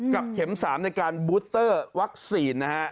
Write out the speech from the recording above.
กับเข็ม๓ในการบูธเตอร์วัคซีน